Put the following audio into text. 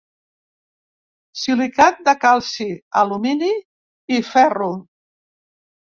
Silicat de calci, alumini i ferro.